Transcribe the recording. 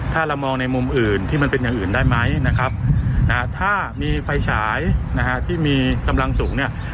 ถ้าเรามองในมุมอื่นที่มันเป็นอย่างอื่นได้ไหมนะครับถ้ามีไฟฉายนะฮะที่มีกำลังสูงเนี่ย